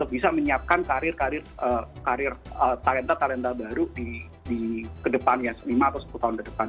bisa menyiapkan karir talenta talenta baru di kedepannya lima atau sepuluh tahun ke depan